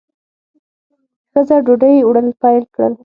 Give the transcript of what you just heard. ښځه ډوډۍ وړل پیل کړل.